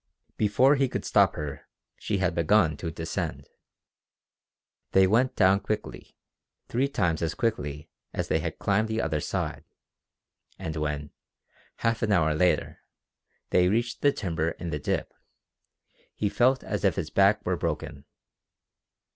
Before he could stop her she had begun to descend. They went down quickly three times as quickly as they had climbed the other side and when, half an hour later, they reached the timber in the dip, he felt as if his back were broken.